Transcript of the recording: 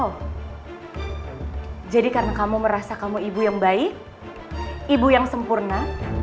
oh jadi karena kamu merasa kamu ibu yang baik ibu yang sempurna